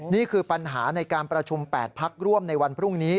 นี่คือปัญหาในการประชุม๘พักร่วมในวันพรุ่งนี้